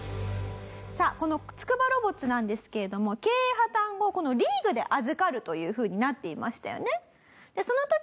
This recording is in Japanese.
さあこのつくばロボッツなんですけれども経営破綻後リーグで預かるというふうになっていましたよね。